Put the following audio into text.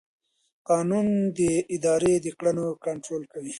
قانون د ادارې د کړنو کنټرول کوي.